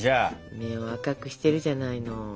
目を赤くしてるじゃないの。